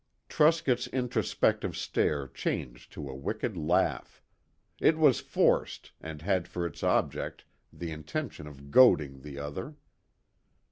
Truscott's introspective stare changed to a wicked laugh. It was forced, and had for its object the intention of goading the other.